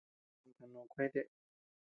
Kanta noo kuete.